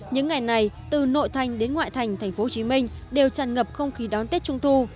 những ngày này từ nội thành đến ngoại thành tp hcm đều tràn ngập không khí đón tết trung thu